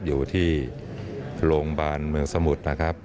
อยู่ที่โรงพยาบาลเมืองสมุทรประการ๑ลายนะครับ